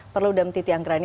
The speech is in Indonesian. perlu demetiti angkera ini